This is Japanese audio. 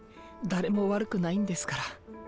誰も悪くないんですから。